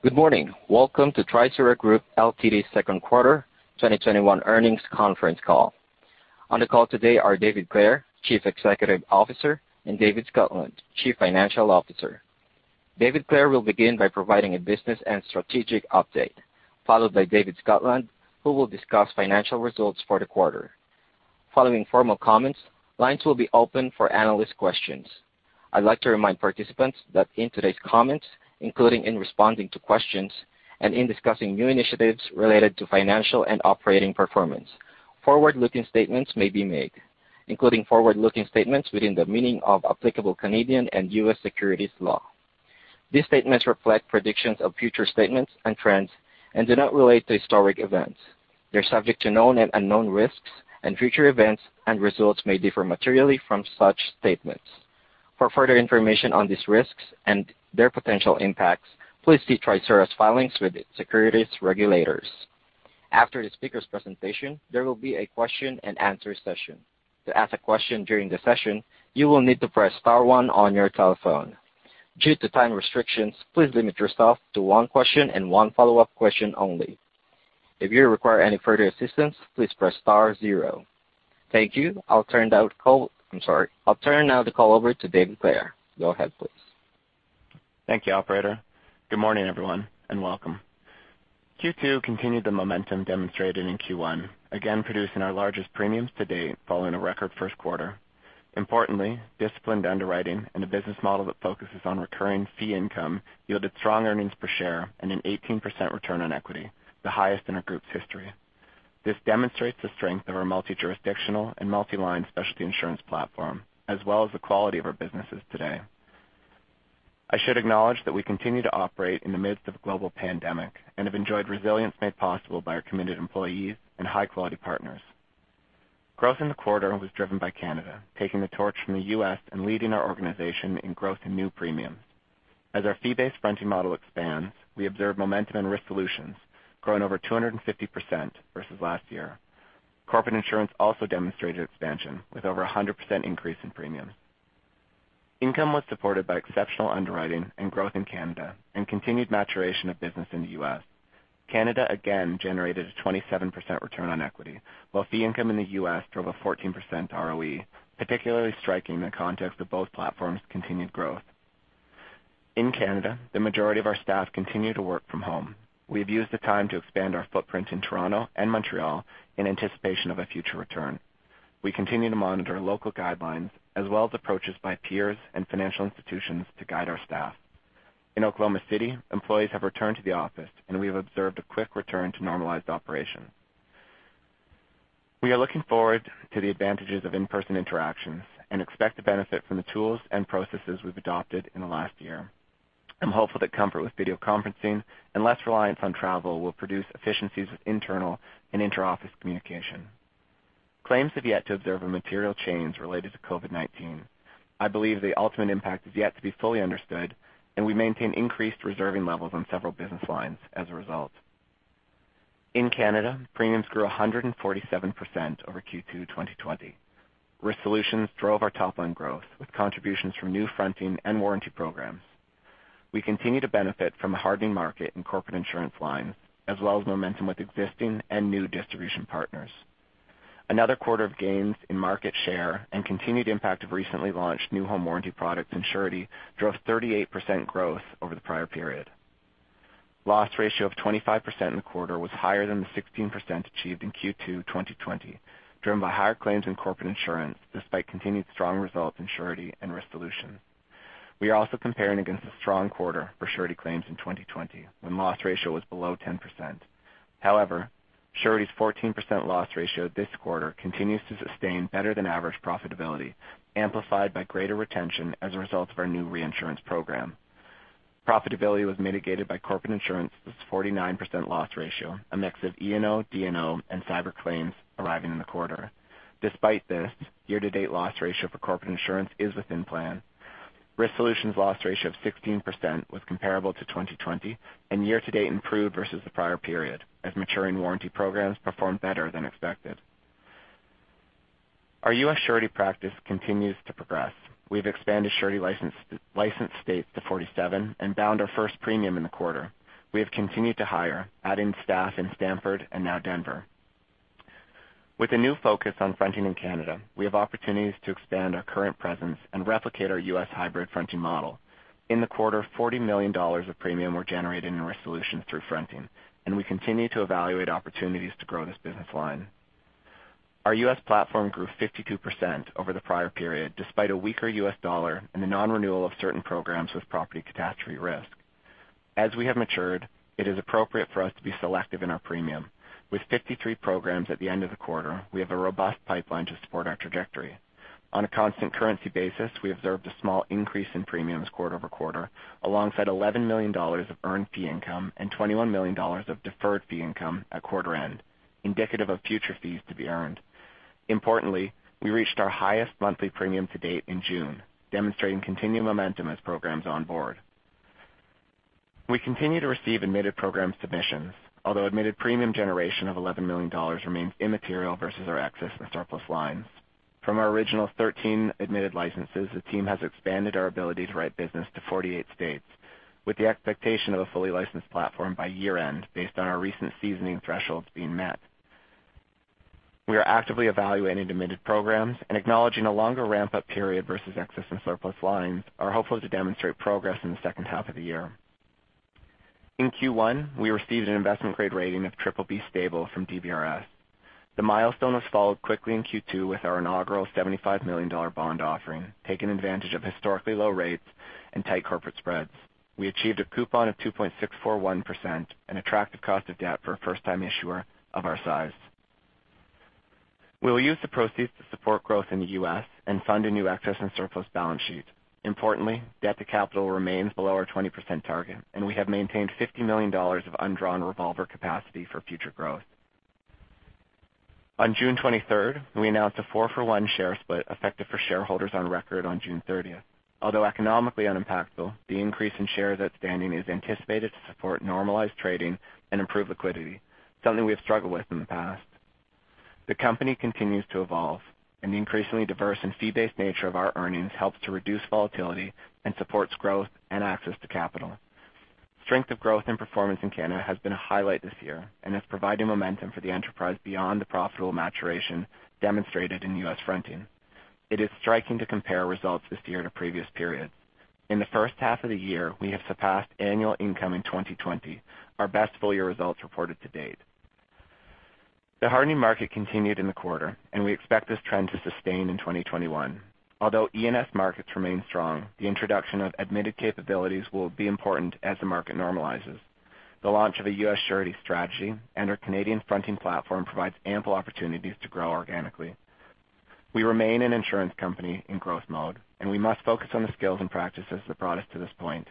Good morning. Welcome to Trisura Group Ltd.'s second quarter 2021 earnings conference call. On the call today are David Clare, Chief Executive Officer, and David Scotland, Chief Financial Officer. David Clare will begin by providing a business and strategic update, followed by David Scotland, who will discuss financial results for the quarter. Following formal comments, lines will be open for analyst questions. I'd like to remind participants that in today's comments, including in responding to questions and in discussing new initiatives related to financial and operating performance, forward-looking statements may be made, including forward-looking statements within the meaning of applicable Canadian and U.S. securities law. These statements reflect predictions of future statements and trends and do not relate to historic events. They're subject to known and unknown risks, and future events and results may differ materially from such statements. For further information on these risks and their potential impacts, please see Trisura's filings with its securities regulators. After the speakers' presentation, there will be a question and answer session. To ask a question during the session, you will need to press star one on your telephone. Due to time restrictions, please limit yourself to one question and one follow-up question only. If you require any further assistance, please press star zero. Thank you. I'll turn now the call over to David Clare. Go ahead, please. Thank you, Operator. Good morning, everyone, and welcome. Q2 continued the momentum demonstrated in Q1, again producing our largest premiums to date following a record first quarter. Importantly, disciplined underwriting and a business model that focuses on recurring fee income yielded strong earnings per share and an 18% return on equity, the highest in our group's history. This demonstrates the strength of our multi-jurisdictional and multi-line specialty insurance platform, as well as the quality of our businesses today. I should acknowledge that we continue to operate in the midst of a global pandemic and have enjoyed resilience made possible by our committed employees and high-quality partners. Growth in the quarter was driven by Canada, taking the torch from the U.S. and leading our organization in growth in new premiums. As our fee-based fronting model expands, we observe momentum in Risk Solutions growing over 250% versus last year. Corporate Insurance also demonstrated expansion with over 100% increase in premiums. Income was supported by exceptional underwriting and growth in Canada and continued maturation of business in the U.S. Canada, again, generated a 27% return on equity, while fee income in the U.S. drove a 14% ROE, particularly striking in the context of both platforms' continued growth. In Canada, the majority of our staff continue to work from home. We have used the time to expand our footprint in Toronto and Montreal in anticipation of a future return. We continue to monitor local guidelines, as well as approaches by peers and financial institutions to guide our staff. In Oklahoma City, employees have returned to the office, and we have observed a quick return to normalized operation. We are looking forward to the advantages of in-person interactions and expect to benefit from the tools and processes we've adopted in the last year. I'm hopeful that comfort with video conferencing and less reliance on travel will produce efficiencies with internal and interoffice communication. Claims have yet to observe a material change related to COVID-19. I believe the ultimate impact is yet to be fully understood, and we maintain increased reserving levels on several business lines as a result. In Canada, premiums grew 147% over Q2 2020. Risk Solutions drove our top-line growth, with contributions from new Fronting and Warranty programs. We continue to benefit from a hardening market and Corporate Insurance line, as well as momentum with existing and new distribution partners. Another quarter of gains in market share and continued impact of recently launched new home warranty products and Surety drove 38% growth over the prior period. Loss ratio of 25% in the quarter was higher than the 16% achieved in Q2 2020, driven by higher claims in Corporate Insurance despite continued strong results in Surety and Risk Solutions. We are also comparing against a strong quarter for Surety claims in 2020, when loss ratio was below 10%. Surety's 14% loss ratio this quarter continues to sustain better than average profitability, amplified by greater retention as a result of our new reinsurance program. Profitability was mitigated by Corporate Insurance's 49% loss ratio, a mix of E&O/D&O, and cyber claims arriving in the quarter. Despite this, year-to-date loss ratio for Corporate Insurance is within plan. Risk Solutions loss ratio of 16% was comparable to 2020 and year-to-date improved versus the prior period, as maturing warranty programs performed better than expected. Our U.S. Surety practice continues to progress. We've expanded surety licensed states to 47 and bound our first premium in the quarter. We have continued to hire, adding staff in Stamford and now Denver. With a new focus on fronting in Canada, we have opportunities to expand our current presence and replicate our U.S. hybrid fronting model. In the quarter, $40 million of premium were generated in Risk Solutions through fronting, and we continue to evaluate opportunities to grow this business line. Our U.S. platform grew 52% over the prior period, despite a weaker U.S. dollar and the non-renewal of certain programs with property catastrophe risk. As we have matured, it is appropriate for us to be selective in our premium. With 53 programs at the end of the quarter, we have a robust pipeline to support our trajectory. On a constant currency basis, we observed a small increase in premiums quarter-over-quarter, alongside 11 million dollars of earned fee income and 21 million dollars of deferred fee income at quarter end, indicative of future fees to be earned. Importantly, we reached our highest monthly premium to date in June, demonstrating continued momentum as programs onboard. We continue to receive admitted program submissions, although admitted premium generation of 11 million dollars remains immaterial versus our excess and surplus lines. From our original 13 admitted licenses, the team has expanded our ability to write business to 48 states, with the expectation of a fully licensed platform by year-end, based on our recent seasoning thresholds being met. We are actively evaluating admitted programs and acknowledging a longer ramp-up period versus excess and surplus lines are hopeful to demonstrate progress in the second half of the year. In Q1, we received an investment-grade rating of BBB stable from DBRS. The milestone was followed quickly in Q2 with our inaugural 75 million dollar bond offering, taking advantage of historically low rates and tight corporate spreads. We achieved a coupon of 2.641%, an attractive cost of debt for a first-time issuer of our size. We will use the proceeds to support growth in the U.S. and fund a new excess and surplus balance sheet. Importantly, debt to capital remains below our 20% target, and we have maintained 50 million dollars of undrawn revolver capacity for future growth. On June 23rd, we announced a four-for-one share split effective for shareholders on record on June 30th. Although economically unimpactful, the increase in shares outstanding is anticipated to support normalized trading and improve liquidity, something we have struggled with in the past. The company continues to evolve, and the increasingly diverse and fee-based nature of our earnings helps to reduce volatility and supports growth and access to capital. Strength of growth and performance in Canada has been a highlight this year and is providing momentum for the enterprise beyond the profitable maturation demonstrated in U.S. fronting. It is striking to compare results this year to previous periods. In the first half of the year, we have surpassed annual income in 2020, our best full-year results reported to date. The hardening market continued in the quarter, and we expect this trend to sustain in 2021. Although E&S markets remain strong, the introduction of admitted capabilities will be important as the market normalizes. The launch of a U.S. Surety strategy and our Canadian fronting platform provides ample opportunities to grow organically. We remain an insurance company in growth mode, and we must focus on the skills and practices that brought us to this point.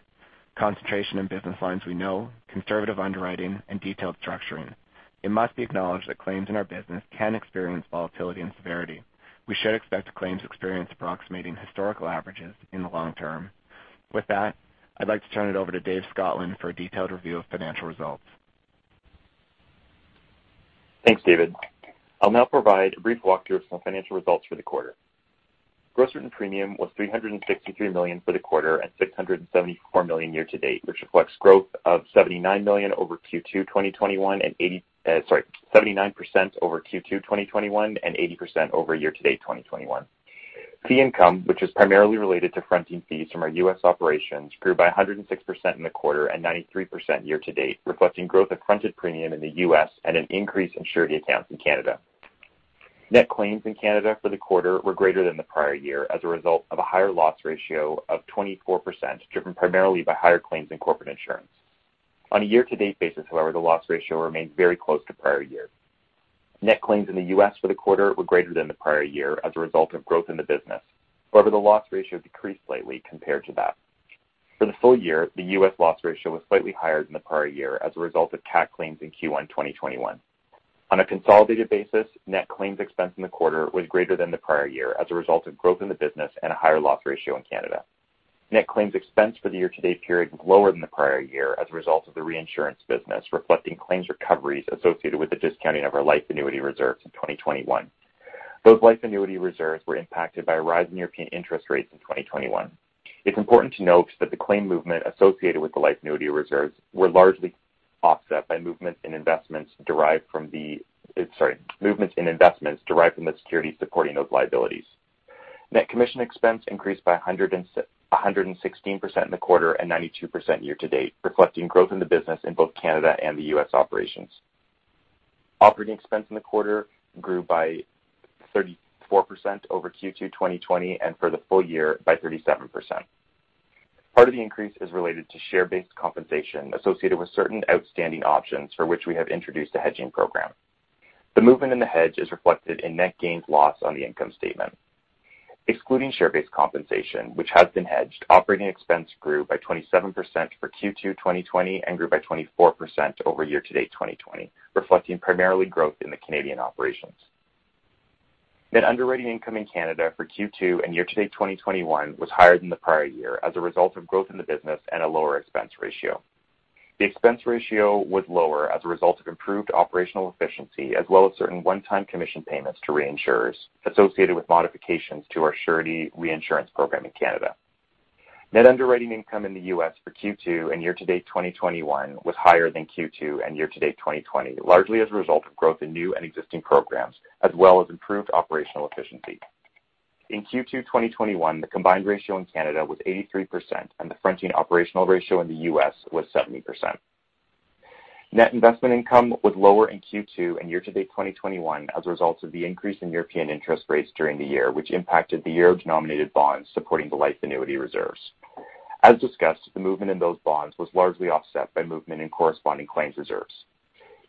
Concentration in business lines we know, conservative underwriting, and detailed structuring. It must be acknowledged that claims in our business can experience volatility and severity. We should expect claims experience approximating historical averages in the long term. With that, I'd like to turn it over to David Scotland for a detailed review of financial results. Thanks, David. I'll now provide a brief walkthrough of some financial results for the quarter. Gross written premium was 363 million for the quarter and 674 million year-to-date, which reflects growth of 79% over Q2 2021 and 80% over year-to-date 2021. Fee income, which is primarily related to fronting fees from our U.S. operations, grew by 106% in the quarter and 93% year-to-date, reflecting growth of fronted premium in the U.S. and an increase in Surety accounts in Canada. Net claims in Canada for the quarter were greater than the prior year as a result of a higher loss ratio of 24%, driven primarily by higher claims in Corporate Insurance. On a year-to-date basis, however, the loss ratio remains very close to prior years. Net claims in the U.S. for the quarter were greater than the prior year as a result of growth in the business. The loss ratio decreased slightly compared to that. For the full year, the U.S. loss ratio was slightly higher than the prior year as a result of CAT claims in Q1 2021. On a consolidated basis, net claims expense in the quarter was greater than the prior year as a result of growth in the business and a higher loss ratio in Canada. Net claims expense for the year-to-date period was lower than the prior year as a result of the reinsurance business, reflecting claims recoveries associated with the discounting of our life annuity reserves in 2021. Those life annuity reserves were impacted by a rise in European interest rates in 2021. It's important to note that the claim movement associated with the life annuity reserves were largely offset by movements in investments derived from the securities supporting those liabilities. Net commission expense increased by 116% in the quarter and 92% year-to-date, reflecting growth in the business in both Canada and the U.S. operations. Operating expense in the quarter grew by 34% over Q2 2020, and for the full year, by 37%. Part of the increase is related to share-based compensation associated with certain outstanding options for which we have introduced a hedging program. The movement in the hedge is reflected in net gains loss on the income statement. Excluding share-based compensation, which has been hedged, operating expense grew by 27% for Q2 2020 and grew by 24% over year-to-date 2020, reflecting primarily growth in the Canadian operations. Net underwriting income in Canada for Q2 and year-to-date 2021 was higher than the prior year as a result of growth in the business and a lower expense ratio. The expense ratio was lower as a result of improved operational efficiency as well as certain one-time commission payments to reinsurers associated with modifications to our Surety reinsurance program in Canada. Net underwriting income in the U.S. for Q2 and year-to-date 2021 was higher than Q2 and year-to-date 2020, largely as a result of growth in new and existing programs, as well as improved operational efficiency. In Q2 2021, the combined ratio in Canada was 83%, and the fronting operational ratio in the U.S. was 70%. Net investment income was lower in Q2 and year-to-date 2021 as a result of the increase in European interest rates during the year, which impacted the euro-denominated bonds supporting the life annuity reserves. As discussed, the movement in those bonds was largely offset by movement in corresponding claims reserves.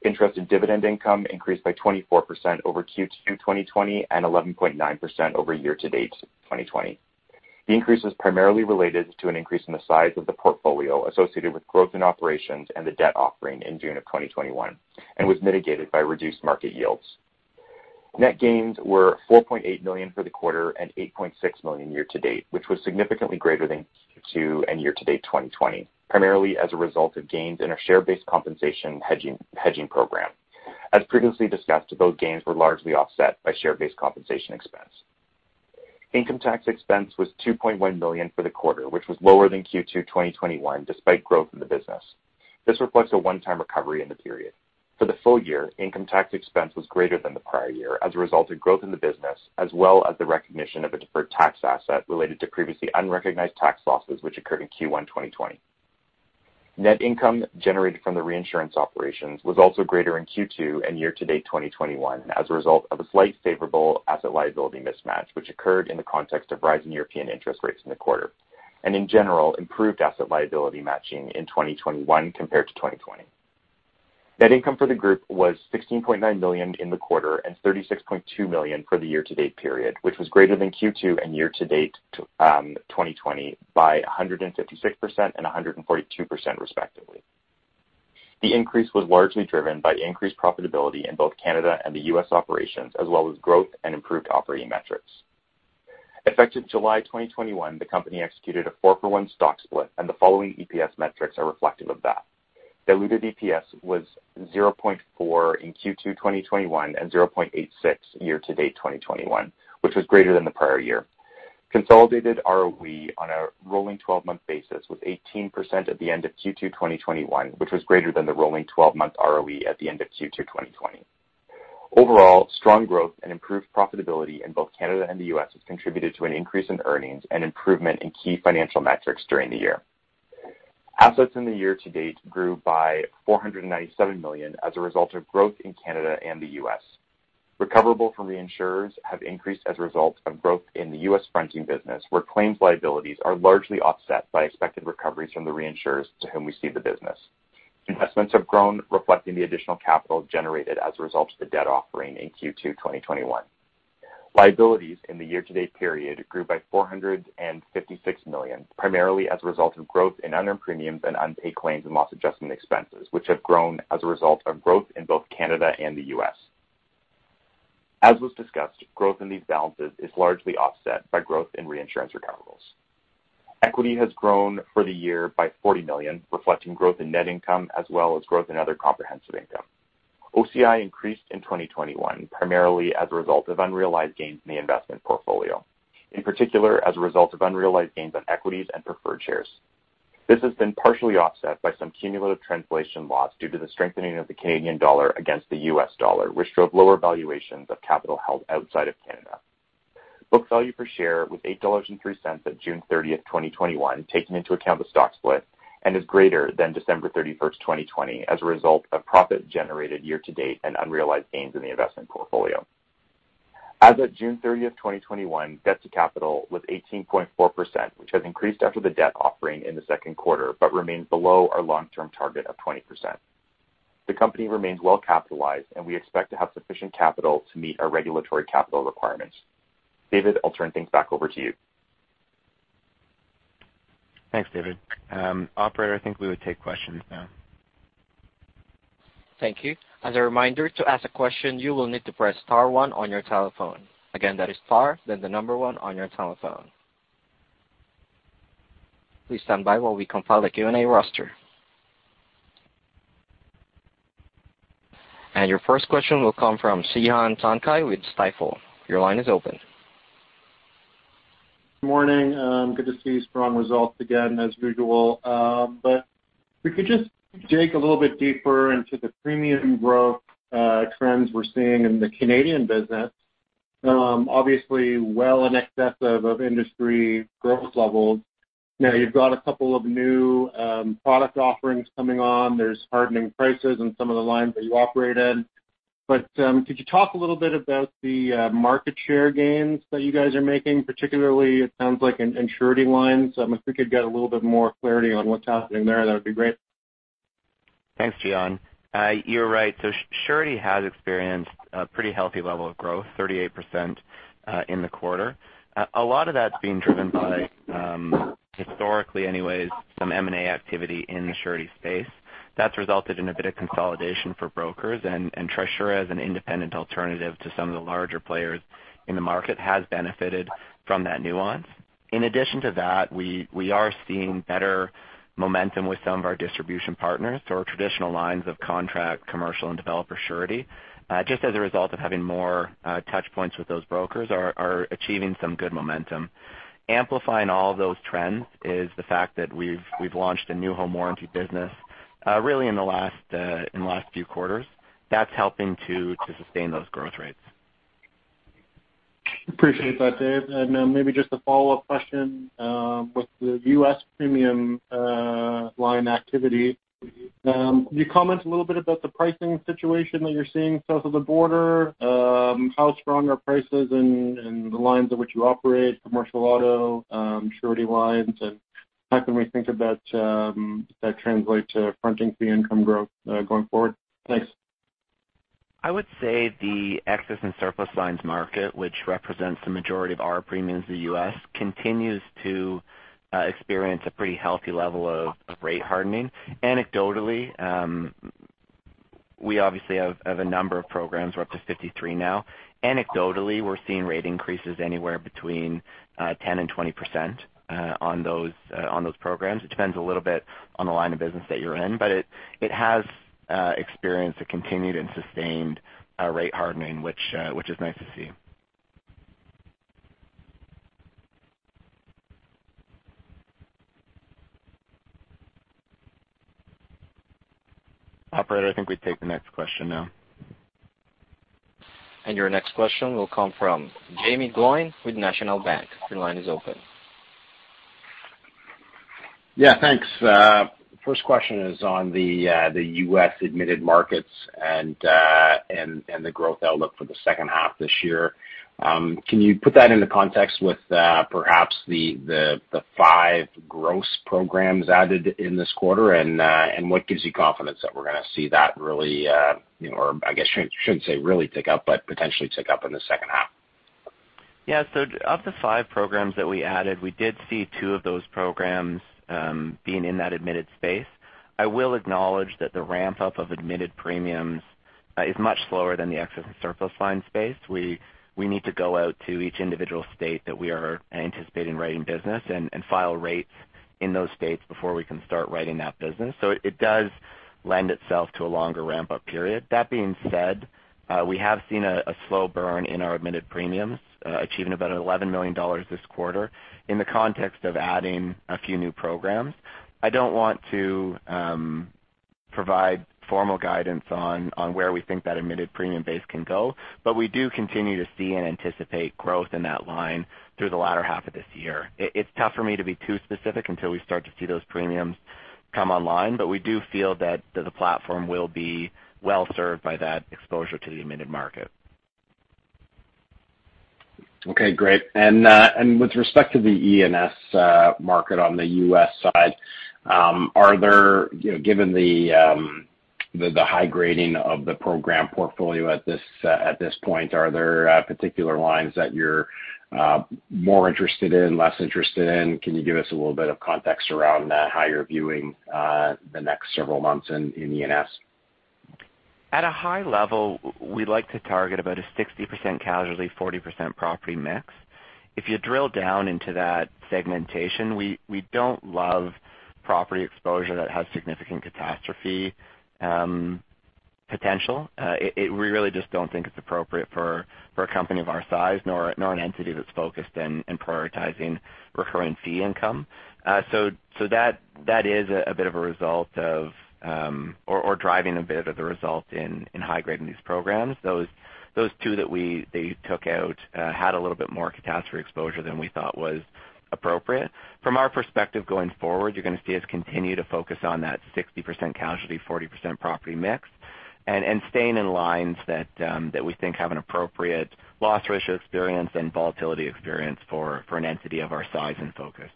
Interest and dividend income increased by 24% over Q2 2020 and 11.9% over year-to-date 2020. The increase was primarily related to an increase in the size of the portfolio associated with growth in operations and the debt offering in June of 2021 and was mitigated by reduced market yields. Net gains were 4.8 million for the quarter and 8.6 million year-to-date, which was significantly greater than Q2 and year-to-date 2020, primarily as a result of gains in our share-based compensation hedging program. As previously discussed, both gains were largely offset by share-based compensation expense. Income tax expense was 2.1 million for the quarter, which was lower than Q2 2021, despite growth in the business. This reflects a one-time recovery in the period. For the full year, income tax expense was greater than the prior year as a result of growth in the business, as well as the recognition of a deferred tax asset related to previously unrecognized tax losses, which occurred in Q1 2020. Net income generated from the reinsurance operations was also greater in Q2 and year-to-date 2021 as a result of a slight favorable asset liability mismatch, which occurred in the context of rising European interest rates in the quarter, and in general, improved asset liability matching in 2021 compared to 2020. Net income for the group was 16.9 million in the quarter and 36.2 million for the year-to-date period, which was greater than Q2 and year-to-date 2020 by 156% and 142% respectively. The increase was largely driven by increased profitability in both Canada and the U.S. operations, as well as growth and improved operating metrics. Effective July 2021, the company executed a four-for-one stock split, and the following EPS metrics are reflective of that. Diluted EPS was 0.4 in Q2 2021 and 0.86 year-to-date 2021, which was greater than the prior year. Consolidated ROE on a rolling 12-month basis was 18% at the end of Q2 2021, which was greater than the rolling 12-month ROE at the end of Q2 2020. Overall, strong growth and improved profitability in both Canada and the U.S. has contributed to an increase in earnings and improvement in key financial metrics during the year. Assets in the year-to-date grew by 497 million as a result of growth in Canada and the U.S. Recoverable from reinsurers have increased as a result of growth in the U.S. Fronting business, where claims liabilities are largely offset by expected recoveries from the reinsurers to whom we cede the business. Investments have grown, reflecting the additional capital generated as a result of the debt offering in Q2 2021. Liabilities in the year-to-date period grew by 456 million, primarily as a result of growth in unearned premiums and unpaid claims and loss adjustment expenses, which have grown as a result of growth in both Canada and the U.S. As was discussed, growth in these balances is largely offset by growth in reinsurance recoverables. Equity has grown for the year by CAD 40 million, reflecting growth in net income as well as growth in other comprehensive income. OCI increased in 2021 primarily as a result of unrealized gains in the investment portfolio, in particular as a result of unrealized gains on equities and preferred shares. This has been partially offset by some cumulative translation loss due to the strengthening of the Canadian dollar against the U.S. dollar, which drove lower valuations of capital held outside of Canada. Book value per share was 8.03 dollars at June 30th, 2021, taking into account the stock split, and is greater than December 31st, 2020, as a result of profit generated year-to-date and unrealized gains in the investment portfolio. As of June 30th, 2021, debt-to-capital was 18.4%, which has increased after the debt offering in the second quarter, but remains below our long-term target of 20%. The company remains well capitalized. We expect to have sufficient capital to meet our regulatory capital requirements. David, I'll turn things back over to you. Thanks, David. Operator, I think we would take questions now. Thank you. As a reminder, to ask a question, you will need to press star one on your telephone. Again, that is star, then the number one on your telephone. Please stand by while we compile a Q&A roster. Your first question will come from Cihan Tuncay with Stifel. Your line is open. Morning. Good to see strong results again, as usual. If you could just dig a little bit deeper into the premium growth trends we're seeing in the Canadian business. Obviously well in excess of industry growth levels. Now you've got a couple of new product offerings coming on. There's hardening prices in some of the lines that you operate in. Could you talk a little bit about the market share gains that you guys are making, particularly it sounds like in Surety lines? If we could get a little bit more clarity on what's happening there, that would be great. Thanks, Cihan. You're right. Surety has experienced a pretty healthy level of growth, 38% in the quarter. A lot of that's being driven by, historically anyways, some M&A activity in the surety space. That's resulted in a bit of consolidation for brokers, and Trisura as an independent alternative to some of the larger players in the market has benefited from that nuance. In addition to that, we are seeing better momentum with some of our distribution partners. Our traditional lines of contract, commercial, and developer surety just as a result of having more touch points with those brokers are achieving some good momentum. Amplifying all of those trends is the fact that we've launched a new home warranty business really in the last few quarters. That's helping to sustain those growth rates. Appreciate that, Dave. Maybe just a follow-up question. With the U.S. premium line activity, can you comment a little bit about the pricing situation that you're seeing south of the border? How strong are prices in the lines of which you operate, commercial auto, Surety lines, and how can we think about that translate to Fronting fee income growth going forward? Thanks. I would say the excess and surplus lines market, which represents the majority of our premiums in the U.S., continues to experience a pretty healthy level of rate hardening. Anecdotally, we obviously have a number of programs. We're up to 53 now. Anecdotally, we're seeing rate increases anywhere between 10% and 20% on those programs. It depends a little bit on the line of business that you're in. It has experienced a continued and sustained rate hardening, which is nice to see. Operator, I think we take the next question now. Your next question will come from Jaeme Gloyn with National Bank. Your line is open. Yeah, thanks. First question is on the U.S. admitted markets and the growth outlook for the second half of this year. Can you put that into context with perhaps the five gross programs added in this quarter? What gives you confidence that we're going to see that really, or I guess I shouldn't say really tick up, but potentially tick up in the second half? Yeah. Of the five programs that we added, we did see two of those programs being in that admitted space. I will acknowledge that the ramp-up of admitted premiums is much slower than the excess and surplus lines space. We need to go out to each individual state that we are anticipating writing business and file rates in those states before we can start writing that business. It does lend itself to a longer ramp-up period. That being said, we have seen a slow burn in our admitted premiums, achieving about 11 million dollars this quarter in the context of adding a few new programs. I don't want to provide formal guidance on where we think that admitted premium base can go. We do continue to see and anticipate growth in that line through the latter half of this year. It's tough for me to be too specific until we start to see those premiums come online. We do feel that the platform will be well-served by that exposure to the admitted market. Okay, great. With respect to the E&S market on the U.S. side, given the high grading of the program portfolio at this point, are there particular lines that you're more interested in, less interested in? Can you give us a little bit of context around how you're viewing the next several months in E&S? At a high level, we'd like to target about a 60% casualty, 40% property mix. If you drill down into that segmentation, we don't love property exposure that has significant catastrophe potential. We really just don't think it's appropriate for a company of our size, nor an entity that's focused and prioritizing recurring fee income. That is a bit of a result of, or driving a bit of the result in high grading these programs. Those two that they took out had a little bit more catastrophe exposure than we thought was appropriate. From our perspective going forward, you're going to see us continue to focus on that 60% casualty, 40% property mix and staying in lines that we think have an appropriate loss ratio experience and volatility experience for an entity of our size and focus.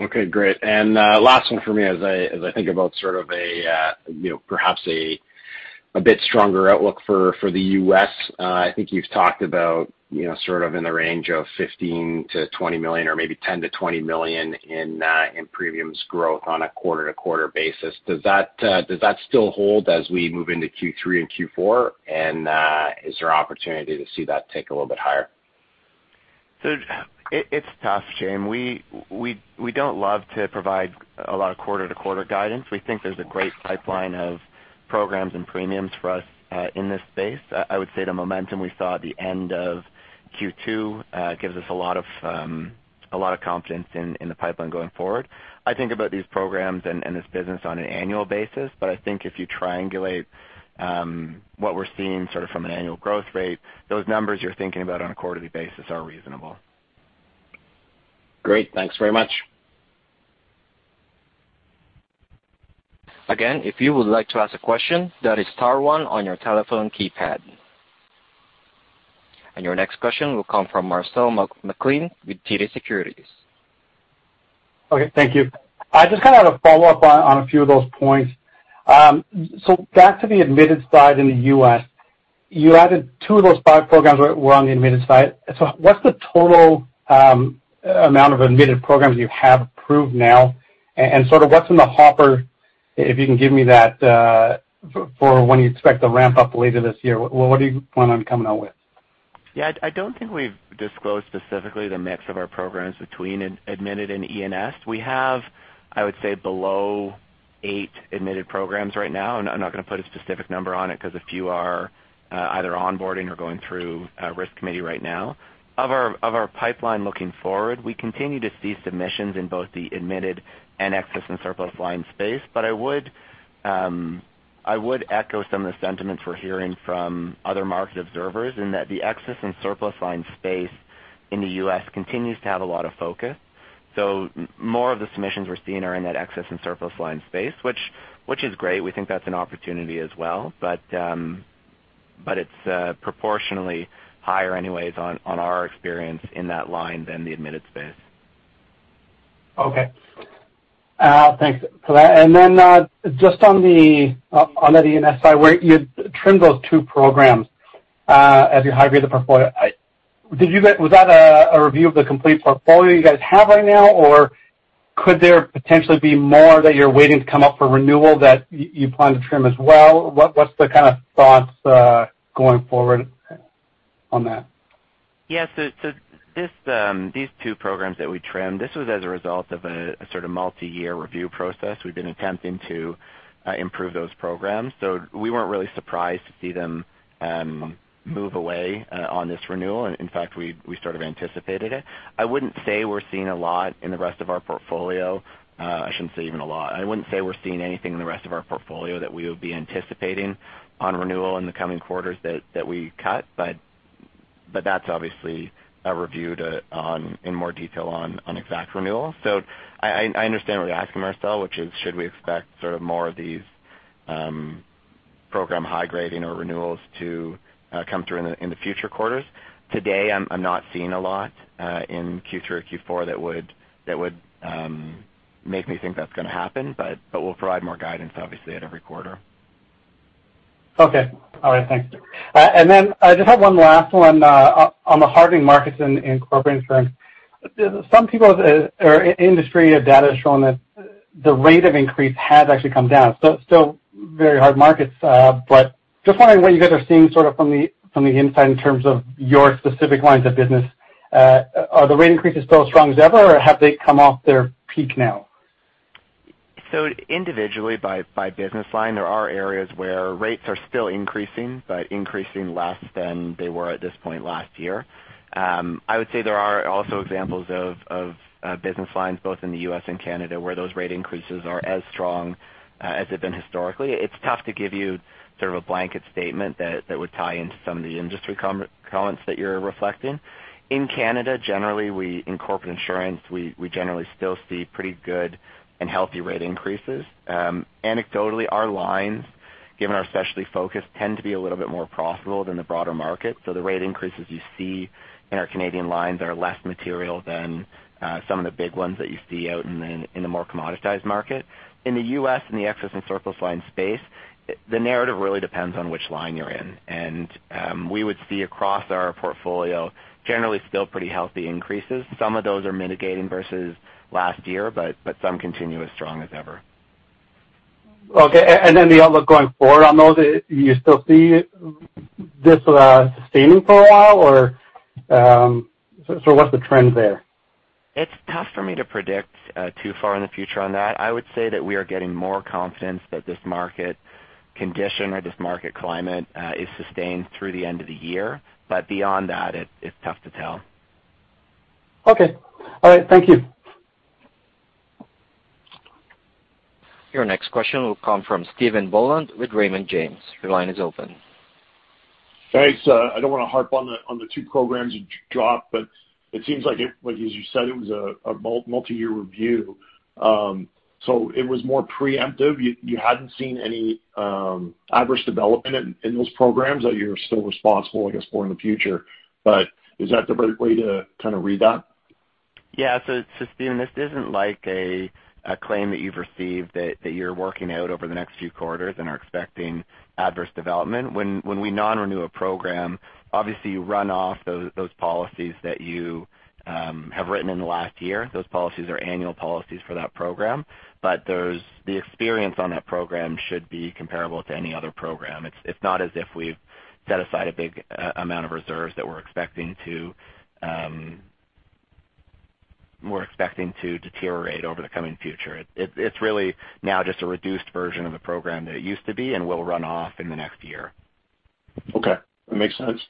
Okay, great. Last one for me as I think about perhaps a bit stronger outlook for the U.S. I think you've talked about in the range of 15 million-20 million or maybe 10 million-20 million in premiums growth on a quarter-over-quarter basis. Does that still hold as we move into Q3 and Q4? Is there opportunity to see that tick a little bit higher? It's tough, Jaeme. We don't love to provide a lot of quarter-to-quarter guidance. We think there's a great pipeline of programs and premiums for us in this space. I would say the momentum we saw at the end of Q2 gives us a lot of confidence in the pipeline going forward. I think about these programs and this business on an annual basis, but I think if you triangulate what we're seeing sort of from an annual growth rate, those numbers you're thinking about on a quarterly basis are reasonable. Great. Thanks very much. Again, if you would like to ask a question, that is star one on your telephone keypad. Your next question will come from Marcel McLean with TD Securities. Okay. Thank you. I just kind of had a follow-up on a few of those points. Back to the admitted side in the U.S. You added two of those five programs were on the admitted side. What's the total amount of admitted programs you have approved now? Sort of what's in the hopper, if you can give me that, for when you expect to ramp up later this year, what do you plan on coming out with? I don't think we've disclosed specifically the mix of our programs between admitted and E&S. We have, I would say, below eight admitted programs right now, and I'm not going to put a specific number on it because a few are either onboarding or going through a risk committee right now. Of our pipeline looking forward, we continue to see submissions in both the admitted and excess and surplus lines space. I would echo some of the sentiments we're hearing from other market observers in that the excess and surplus lines space in the U.S. continues to have a lot of focus. More of the submissions we're seeing are in that excess and surplus lines space, which is great. We think that's an opportunity as well. It's proportionally higher anyways on our experience in that line than the admitted space. Okay. Thanks for that. Just on the E&S side, where you trimmed those two programs as you high-graded the portfolio, was that a review of the complete portfolio you guys have right now? Could there potentially be more that you're waiting to come up for renewal that you plan to trim as well? What's the kind of thoughts going forward on that? Yes. These two programs that we trimmed, this was as a result of a sort of multi-year review process. We've been attempting to improve those programs. We weren't really surprised to see them move away on this renewal. In fact, we sort of anticipated it. I wouldn't say we're seeing a lot in the rest of our portfolio. I shouldn't say even a lot. I wouldn't say we're seeing anything in the rest of our portfolio that we would be anticipating on renewal in the coming quarters that we cut. That's obviously a review in more detail on exact renewal. I understand what you're asking, Marcel, which is should we expect sort of more of these program high grading or renewals to come through in the future quarters. Today, I'm not seeing a lot in Q3 or Q4 that would make me think that's going to happen. We'll provide more guidance, obviously, at every quarter. Okay. All right. Thanks. I just have one last one on the hardening markets in Corporate Insurance. Some people's or industry data has shown that the rate of increase has actually come down. Still very hard markets, but just wondering what you guys are seeing sort of from the inside in terms of your specific lines of business. Are the rate increases still as strong as ever, or have they come off their peak now? Individually, by business line, there are areas where rates are still increasing, but increasing less than they were at this point last year. I would say there are also examples of business lines both in the U.S. and Canada, where those rate increases are as strong as they've been historically. It's tough to give you sort of a blanket statement that would tie into some of the industry comments that you're reflecting. In Canada, generally in Corporate Insurance, we generally still see pretty good and healthy rate increases. Anecdotally, our lines, given our specialty focus, tend to be a little bit more profitable than the broader market. The rate increases you see in our Canadian lines are less material than some of the big ones that you see out in the more commoditized market. In the U.S. and the excess and surplus lines space, the narrative really depends on which line you're in, and we would see across our portfolio, generally still pretty healthy increases. Some of those are mitigating versus last year, but some continue as strong as ever. Okay, the outlook going forward on those, you still see this sustaining for a while or so what's the trend there? It's tough for me to predict too far in the future on that. I would say that we are getting more confidence that this market condition or this market climate is sustained through the end of the year. Beyond that, it's tough to tell. Okay. All right. Thank you. Your next question will come from Stephen Boland with Raymond James. Your line is open. Thanks. I don't want to harp on the two programs you dropped, but it seems like as you said, it was a multi-year review. It was more preemptive. You hadn't seen any adverse development in those programs that you're still responsible, I guess, for in the future. Is that the right way to kind of read that? Yeah. Stephen, this isn't like a claim that you've received that you're working out over the next few quarters and are expecting adverse development. When we non-renew a program, obviously you run off those policies that you have written in the last year. Those policies are annual policies for that program. The experience on that program should be comparable to any other program. It's not as if we've set aside a big amount of reserves that we're expecting to deteriorate over the coming future. It's really now just a reduced version of the program that it used to be and will run off in the next year. Okay. That makes sense.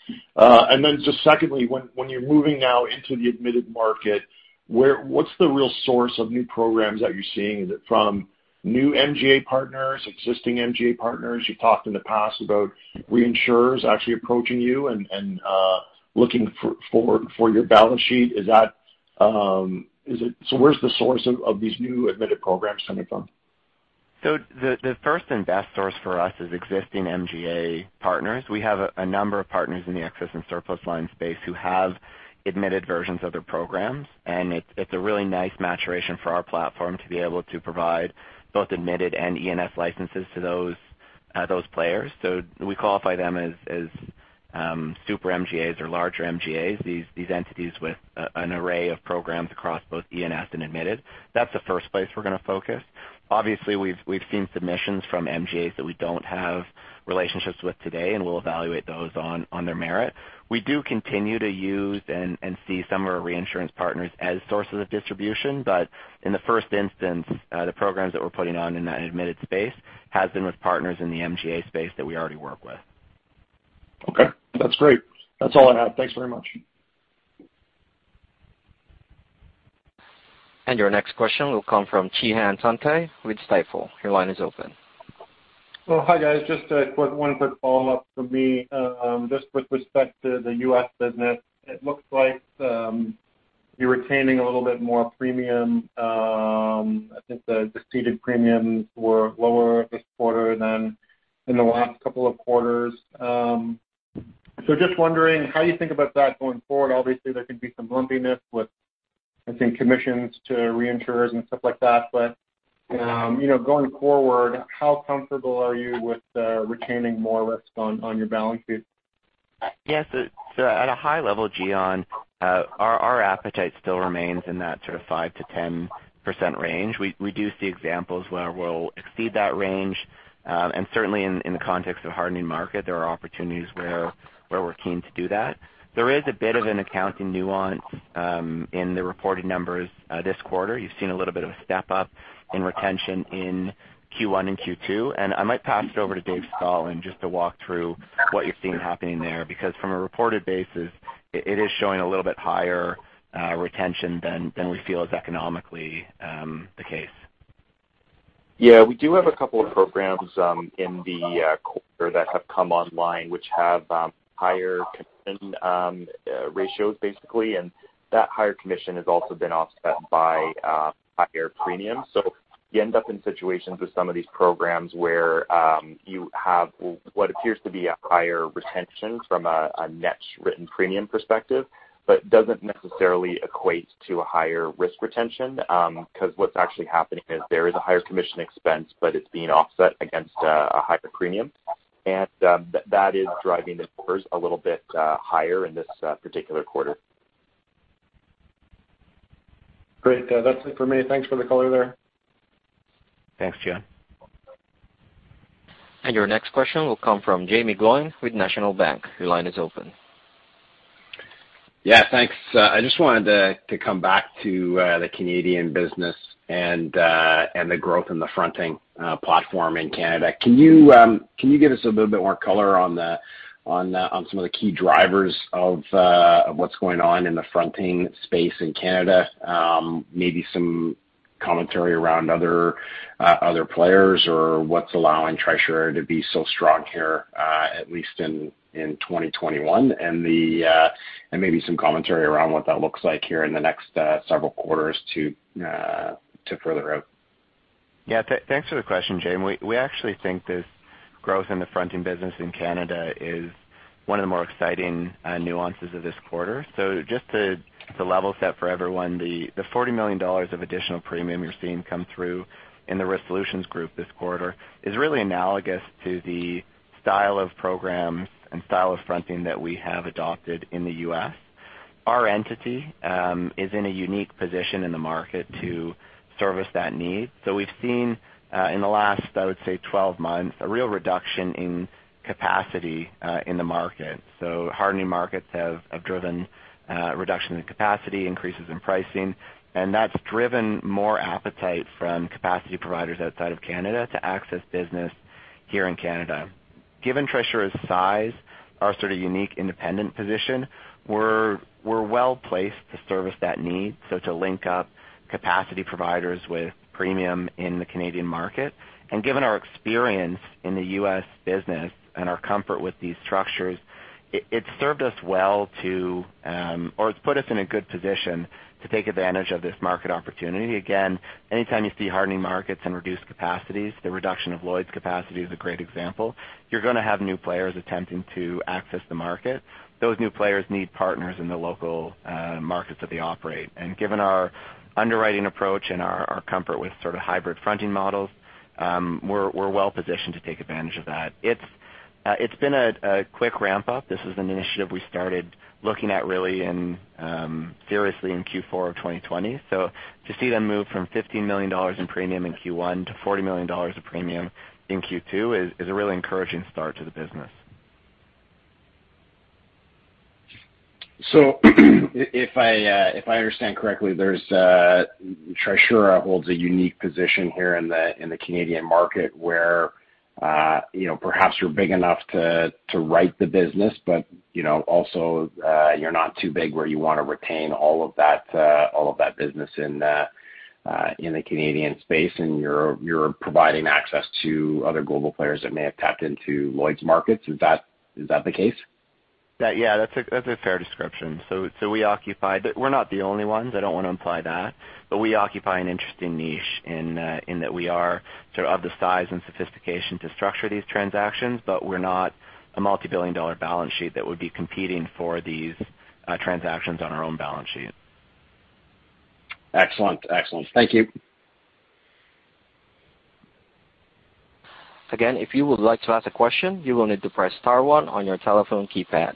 Just secondly, when you're moving now into the admitted market, what's the real source of new programs that you're seeing? Is it from new MGA partners, existing MGA partners? You talked in the past about reinsurers actually approaching you and looking for your balance sheet. Where's the source of these new admitted programs coming from? The first and best source for us is existing MGA partners. We have a number of partners in the excess and surplus lines space who have admitted versions of their programs, and it's a really nice maturation for our platform to be able to provide both admitted and E&S licenses to those players. We qualify them as super MGAs or larger MGAs. These entities with an array of programs across both E&S and admitted. That's the first place we're going to focus. Obviously, we've seen submissions from MGAs that we don't have relationships with today, and we'll evaluate those on their merit. We do continue to use and see some of our reinsurance partners as sources of distribution. In the first instance, the programs that we're putting on in that admitted space has been with partners in the MGA space that we already work with. Okay, that's great. That's all I have. Thanks very much. Your next question will come from Cihan Tuncay with Stifel. Your line is open. Well, hi, guys. One quick follow-up from me. With respect to the U.S. business, it looks like you're retaining a little bit more premium. I think the ceded premiums were lower this quarter than in the last couple of quarters. Wondering how you think about that going forward. Obviously, there can be some lumpiness with, I think, commissions to reinsurers and stuff like that. Going forward, how comfortable are you with retaining more risk on your balance sheet? Yes. At a high level, Cihan, our appetite still remains in that sort of 5%-10% range. We do see examples where we'll exceed that range. Certainly in the context of hardening market, there are opportunities where we're working to do that. There is a bit of an accounting nuance in the reported numbers this quarter. You've seen a little bit of a step up in retention in Q1 and Q2, and I might pass it over to David Scotland just to walk through what you're seeing happening there. From a reported basis, it is showing a little bit higher retention than we feel is economically the case. Yeah, we do have a couple of programs in the quarter that have come online, which have higher commission ratios, basically, and that higher commission has also been offset by higher premiums. You end up in situations with some of these programs where you have what appears to be a higher retention from a net written premium perspective, but doesn't necessarily equate to a higher risk retention. What's actually happening is there is a higher commission expense, but it's being offset against a higher premium, and that is driving the numbers a little bit higher in this particular quarter. Great. That's it for me. Thanks for the color there. Thanks, Cihan. Your next question will come from Jaeme Gloyn with National Bank. Your line is open. Yeah. Thanks. I just wanted to come back to the Canadian business and the growth in the Fronting platform in Canada. Can you give us a little bit more color on some of the key drivers of what's going on in the Fronting space in Canada? Maybe some commentary around other players or what's allowing Trisura to be so strong here, at least in 2021, and maybe some commentary around what that looks like here in the next several quarters to further out. Thanks for the question, Jaeme. We actually think this growth in the Fronting business in Canada is one of the more exciting nuances of this quarter. Just to level set for everyone, the 40 million dollars of additional premium you're seeing come through in the Risk Solutions group this quarter is really analogous to the style of programs and style of Fronting that we have adopted in the U.S. Our entity is in a unique position in the market to service that need. We've seen, in the last, I would say 12 months, a real reduction in capacity in the market. Hardening markets have driven reduction in capacity, increases in pricing, and that's driven more appetite from capacity providers outside of Canada to access business here in Canada. Given Trisura's size, our sort of unique independent position, we're well-placed to service that need. To link up capacity providers with premium in the Canadian market. Given our experience in the U.S. business and our comfort with these structures, it's put us in a good position to take advantage of this market opportunity. Anytime you see hardening markets and reduced capacities, the reduction of Lloyd's capacity is a great example, you're going to have new players attempting to access the market. Those new players need partners in the local markets that they operate. Given our underwriting approach and our comfort with sort of hybrid fronting models, we're well-positioned to take advantage of that. It's been a quick ramp-up. This is an initiative we started looking at really seriously in Q4 of 2020. To see them move from 15 million dollars in premium in Q1 to 40 million dollars of premium in Q2 is a really encouraging start to the business. If I understand correctly, Trisura holds a unique position here in the Canadian market where perhaps you're big enough to write the business, but also you're not too big where you want to retain all of that business in the Canadian space, and you're providing access to other global players that may have tapped into Lloyd's. Is that the case? Yeah. That's a fair description. We're not the only ones, I don't want to imply that, but we occupy an interesting niche in that we are sort of the size and sophistication to structure these transactions, but we're not a multi-billion dollar balance sheet that would be competing for these transactions on our own balance sheet. Excellent. Thank you. Again, if you would like to ask a question, you will need to press star one on your telephone keypad.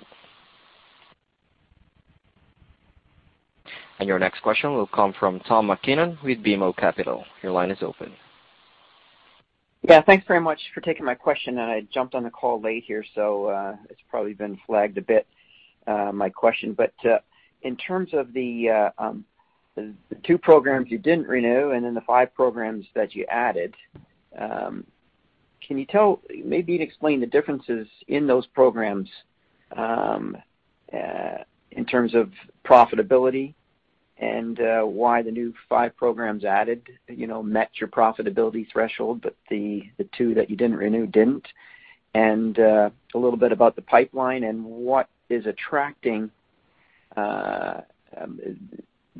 Your next question will come from Tom MacKinnon with BMO Capital. Your line is open. Thanks very much for taking my question. I jumped on the call late here, so it's probably been flagged a bit, my question. In terms of the two programs you didn't renew and then the five programs that you added, can you maybe explain the differences in those programs in terms of profitability and why the new five programs added met your profitability threshold, but the two that you didn't renew didn't? A little bit about the pipeline and what is attracting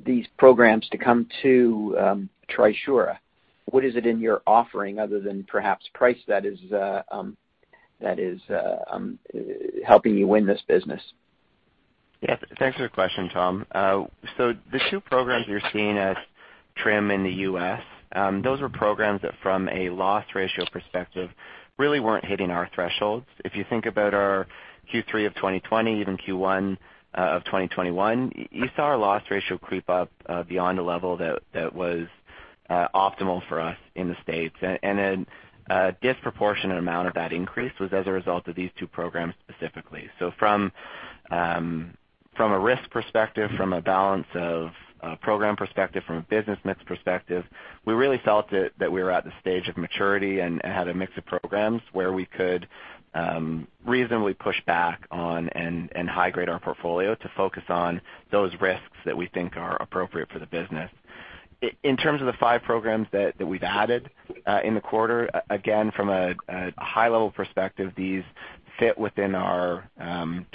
these programs to come to Trisura. What is it in your offering other than perhaps price that is helping you win this business? Yeah. Thanks for the question, Tom. The two programs you're [seeing Trisura in] the U.S. were programs that from a loss ratio perspective, really weren't hitting our thresholds. If you think about our Q3 of 2020, even Q1 of 2021, you saw our loss ratio creep up beyond a level that was optimal for us in the States. A disproportionate amount of that increase was as a result of these two programs specifically. From a risk perspective, from a balance of a program perspective, from a business mix perspective, we really felt that we were at the stage of maturity and had a mix of programs where we could reasonably push back on and high grade our portfolio to focus on those risks that we think are appropriate for the business. In terms of the five programs that we've added in the quarter, again, from a high level perspective, these fit within our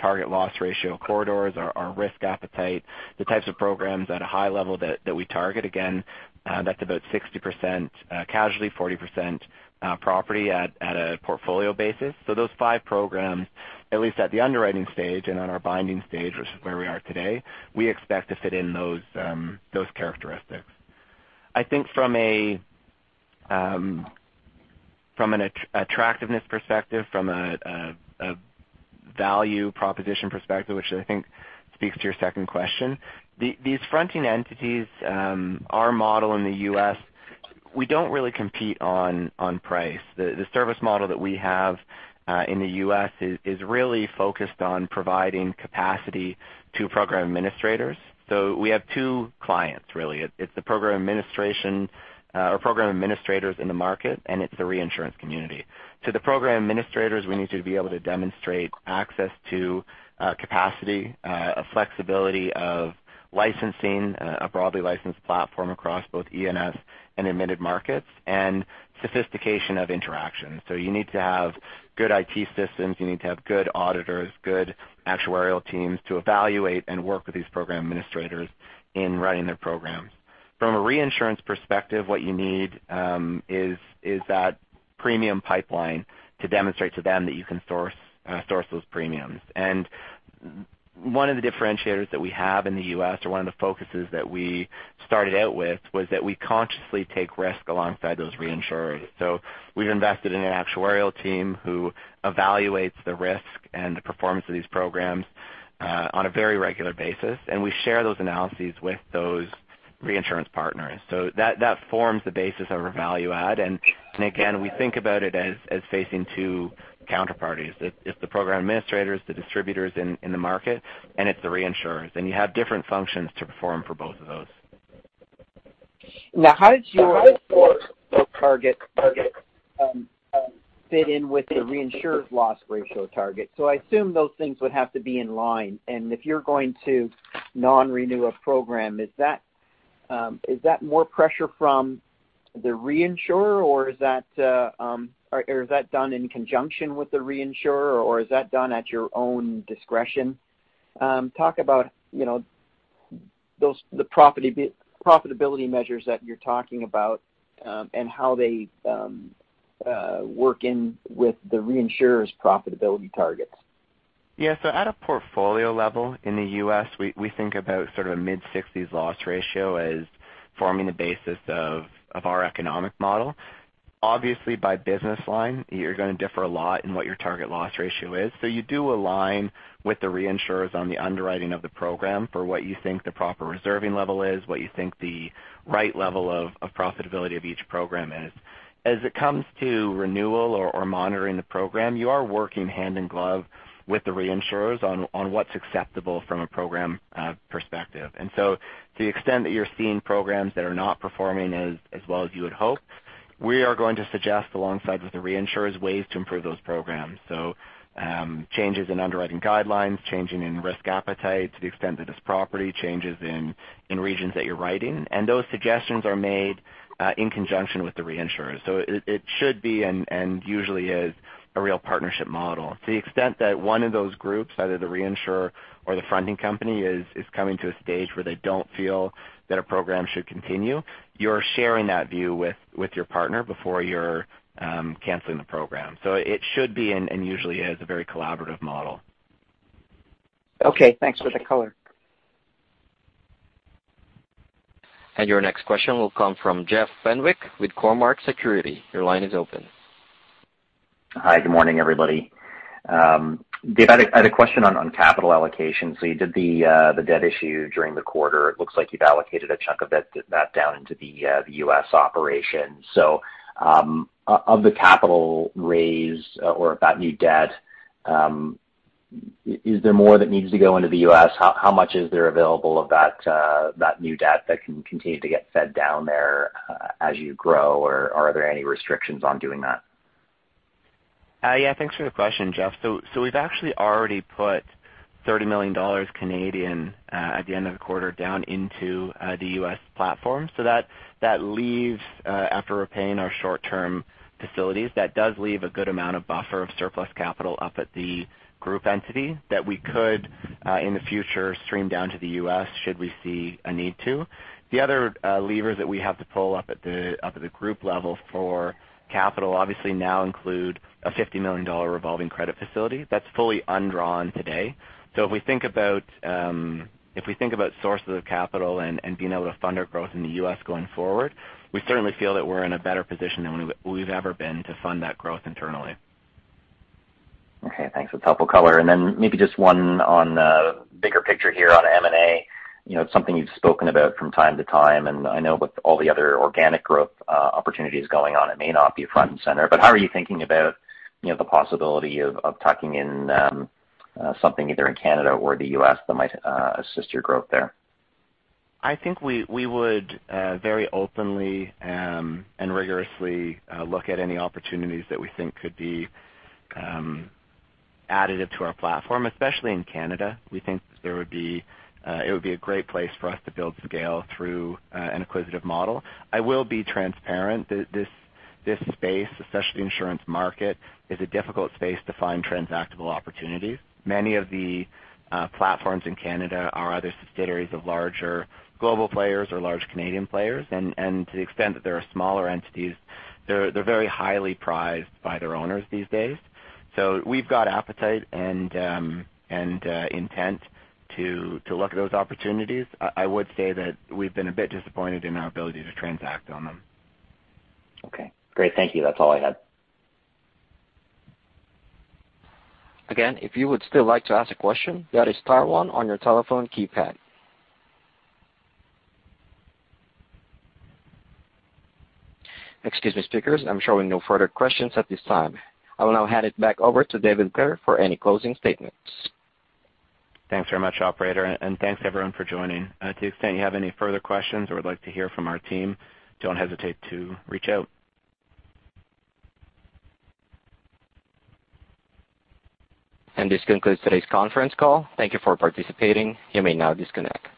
target loss ratio corridors, our risk appetite, the types of programs at a high level that we target. Again, that's about 60% casualty, 40% property at a portfolio basis. Those five programs, at least at the underwriting stage and on our binding stage, which is where we are today, we expect to fit in those characteristics. I think from an attractiveness perspective, from a value proposition perspective, which I think speaks to your second question, these fronting entities, our model in the U.S., we don't really compete on price. The service model that we have in the U.S. is really focused on providing capacity to program administrators. We have two clients, really. It's the program administration or program administrators in the market, and it's the reinsurance community. To the program administrators, we need to be able to demonstrate access to capacity, a flexibility of licensing, a broadly licensed platform across both E&S and admitted markets, and sophistication of interaction. You need to have good IT systems, you need to have good auditors, good actuarial teams to evaluate and work with these program administrators in running their programs. From a reinsurance perspective, what you need is that premium pipeline to demonstrate to them that you can source those premiums. One of the differentiators that we have in the U.S., or one of the focuses that we started out with, was that we consciously take risk alongside those reinsurers. We've invested in an actuarial team who evaluates the risk and the performance of these programs on a very regular basis, and we share those analyses with those reinsurance partners. That forms the basis of our value add, and again, we think about it as facing two counterparties. It's the program administrators, the distributors in the market, and it's the reinsurers, and you have different functions to perform for both of those. How does your target fit in with the reinsurers' loss ratio target? I assume those things would have to be in line, and if you're going to non-renew a program, is that more pressure from the reinsurer, or is that done in conjunction with the reinsurer, or is that done at your own discretion? Talk about the profitability measures that you're talking about, and how they work in with the reinsurers' profitability targets? Yeah. At a portfolio level in the U.S., we think about sort of a mid-60s loss ratio as forming the basis of our economic model. Obviously, by business line, you're going to differ a lot in what your target loss ratio is. You do align with the reinsurers on the underwriting of the program for what you think the proper reserving level is, what you think the right level of profitability of each program is. As it comes to renewal or monitoring the program, you are working hand in glove with the reinsurers on what's acceptable from a program perspective. To the extent that you're seeing programs that are not performing as well as you would hope, we are going to suggest, alongside with the reinsurers, ways to improve those programs. Changes in underwriting guidelines, changing in risk appetite to the extent that it's property, changes in regions that you're writing. Those suggestions are made in conjunction with the reinsurers. It should be, and usually is, a real partnership model. To the extent that one of those groups, either the reinsurer or the fronting company, is coming to a stage where they don't feel that a program should continue, you're sharing that view with your partner before you're canceling the program. It should be, and usually is, a very collaborative model. Okay, thanks for the color. Your next question will come from Jeff Fenwick with Cormark Securities. Your line is open. Hi, good morning, everybody. Dave, I had a question on capital allocation. You did the debt issue during the quarter. It looks like you've allocated a chunk of that down into the U.S. operation. Of the capital raise or of that new debt, is there more that needs to go into the U.S.? How much is there available of that new debt that can continue to get fed down there as you grow, or are there any restrictions on doing that? Thanks for the question, Jeff. We've actually already put 30 million Canadian dollars at the end of the quarter down into the U.S. platform. After repaying our short-term facilities, that does leave a good amount of buffer of surplus capital up at the group entity that we could, in the future, stream down to the U.S. should we see a need to. The other levers that we have to pull up at the group level for capital obviously now include a 50 million dollars revolving credit facility. That's fully undrawn today. If we think about sources of capital and being able to fund our growth in the U.S. going forward, we certainly feel that we're in a better position than we've ever been to fund that growth internally. Okay, thanks. That's helpful color. Maybe just one on the bigger picture here on M&A. It's something you've spoken about from time to time, and I know with all the other organic growth opportunities going on, it may not be front and center, but how are you thinking about the possibility of tucking in something either in Canada or the U.S. that might assist your growth there? I think we would very openly and rigorously look at any opportunities that we think could be additive to our platform, especially in Canada. We think that it would be a great place for us to build scale through an acquisitive model. I will be transparent. This space, especially the insurance market, is a difficult space to find transactable opportunities. Many of the platforms in Canada are either subsidiaries of larger global players or large Canadian players. To the extent that there are smaller entities, they're very highly prized by their owners these days. We've got appetite and intent to look at those opportunities. I would say that we've been a bit disappointed in our ability to transact on them. Okay, great. Thank you. That's all I had. Again, if you would still like to ask a question, that is star one on your telephone keypad. Excuse me, speakers. I am showing no further questions at this time. I will now hand it back over to David Clare for any closing statements. Thanks very much, operator, and thanks everyone for joining. To the extent you have any further questions or would like to hear from our team, don't hesitate to reach out. This concludes today's conference call. Thank you for participating. You may now disconnect.